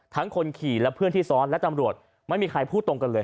คนขี่และเพื่อนที่ซ้อนและตำรวจไม่มีใครพูดตรงกันเลย